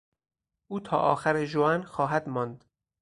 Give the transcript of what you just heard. او تا آخر ژوئن خواهد ماند.